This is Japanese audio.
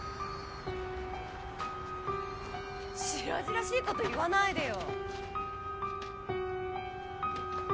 白々しい事言わないでよ！